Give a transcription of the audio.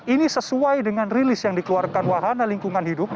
ini sesuai dengan rilis yang dikeluarkan wahana lingkungan hidup